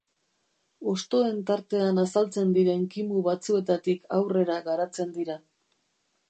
Hostoen tartean azaltzen diren kimu batzuetatik aurrera garatzen dira.